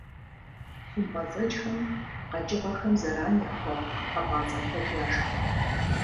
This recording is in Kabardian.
Хъумпӏэцӏэджхэм къэкӏыгъэхэм зэран яхуэхъу хьэпӏацӏэ куэд яшх.